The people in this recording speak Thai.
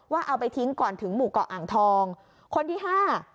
เอาไปทิ้งก่อนถึงหมู่เกาะอ่างทองคนที่ห้า